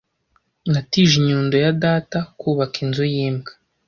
Natije inyundo ya data kubaka inzu y'imbwa.